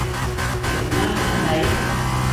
明啦係咪？